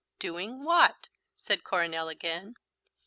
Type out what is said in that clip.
"Doing what?" said Coronel again.